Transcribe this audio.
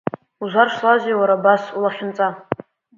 Узаршлазеи уара абас улахьынҵа?